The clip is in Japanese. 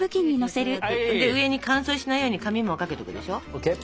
上に乾燥しないように紙もかけとくでしょ。